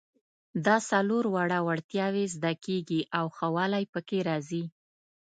دا څلور واړه وړتیاوې زده کیږي او ښه والی پکې راځي.